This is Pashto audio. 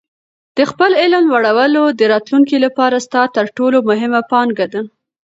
د خپل علم لوړول د راتلونکي لپاره ستا تر ټولو مهمه پانګه ده.